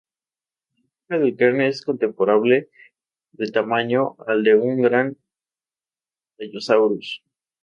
La caja del cráneo es comparable de tamaño al de un gran "Allosaurus".